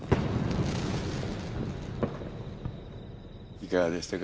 いかがでしたか？